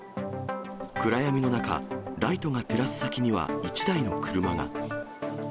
暗闇の中、ライトが照らす先には１台の車が。